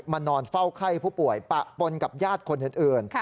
นอนเฝ้าไข้ผู้ป่วยปะปนกับญาติคนอื่น